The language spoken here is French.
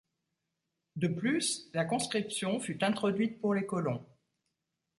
De plus, la conscription fut introduite pour les colons.